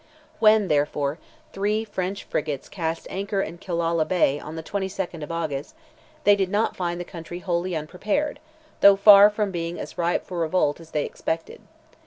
When, therefore, three French frigates cast anchor in Killalla Bay, on the 22nd of August, they did not find the country wholly unprepared, though far from being as ripe for revolt as they expected.